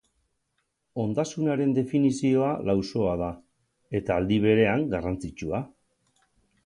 Ondasunaren definizioa lausoa da eta aldi berean garrantzitsua.